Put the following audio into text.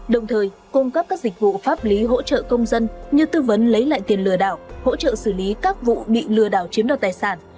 đồng thời cung cấp các dịch vụ pháp lý hỗ trợ công dân như tư vấn lấy lại tiền lừa đảo hỗ trợ xử lý các vụ bị lừa đảo chiếm đoạt tài sản